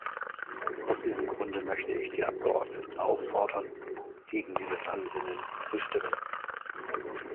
Aus diesem Grunde möchte ich die Abgeordneten auffordern, gegen dieses Ansinnen zu stimmen.